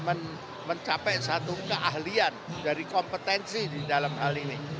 dan mencapai satu keahlian dari kompetensi di dalam hal ini